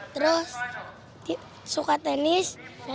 terus suka tenis